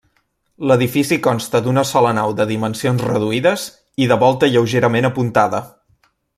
L'edifici consta d'una sola nau de dimensions reduïdes i de volta lleugerament apuntada.